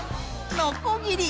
のこぎり。